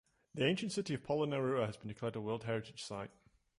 The "Ancient City of Polonnaruwa" has been declared a World Heritage Site.